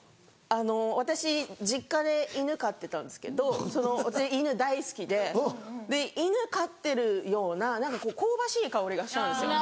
私実家で犬飼ってたんですけどその私犬大好きで。で犬飼ってるような何かこう香ばしい香りがしたんですよ。